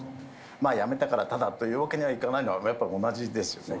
まあやめたからただというわけにはいかないのは、やっぱ同じですよね。